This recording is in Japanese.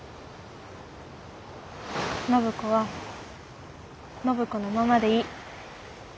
暢子は暢子のままでいい。